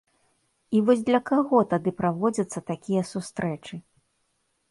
І вось для каго тады праводзяцца такія сустрэчы?